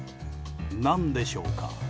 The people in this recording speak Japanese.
何でしょうか？